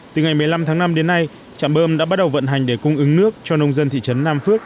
từ ngày một mươi năm tháng năm đến nay trạm bơm đã bắt đầu vận hành để cung ứng nước cho nông dân thị trấn nam phước